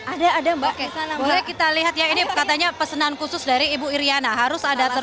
ities adalah mari kita lihat yang ini katanya pesenan khusus dari ibuiriana harus ada terus awakening